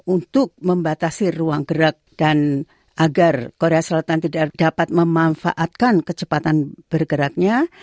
untuk membatasi ruang gerak dan agar korea selatan tidak dapat memanfaatkan kecepatan bergeraknya